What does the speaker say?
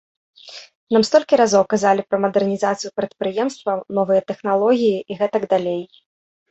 Нам столькі разоў казалі пра мадэрнізацыю прадпрыемстваў, новыя тэхналогіі і гэтак далей.